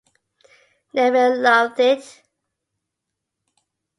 Neville Lovett.